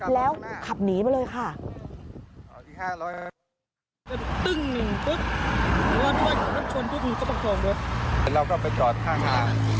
แล้วขับหนีไปเลยค่ะ